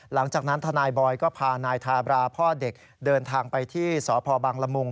หลังจากนั้นทนายบอยก็พานายทาบราพ่อเด็กเดินทางไปที่สพบังละมุง